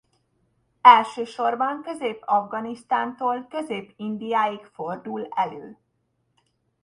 Elsősorban Közép-Afganisztántól Közép-Indiáig fordul elő.